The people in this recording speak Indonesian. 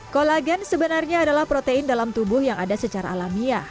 kolagen sebenarnya adalah protein dalam tubuh yang ada secara alamiah